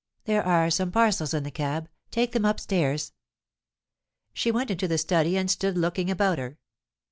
"There are some parcels in the cab. Take them up stairs." She went into the study, and stood looking about her.